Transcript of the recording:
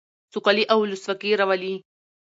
سوکالي او ولسواکي راولي.